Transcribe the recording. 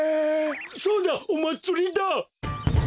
そうだおまつりだ！